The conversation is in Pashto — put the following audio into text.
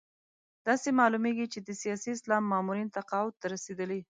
داسې معلومېږي چې د سیاسي اسلام مامورین تقاعد ته رسېدلي.